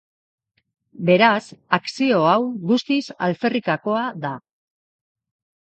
Beraz akzio hau guztiz alferrikakoa da.